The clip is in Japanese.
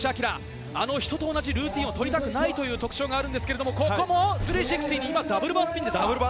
あの人と同じルーティンを取りたくないという特徴がありますが、ここも３６０にダブルバースピンですか？